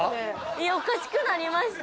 いやおかしくなりました